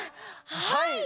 はい！